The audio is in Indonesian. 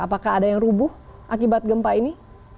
apakah ada yang rubuh akibat gempa ini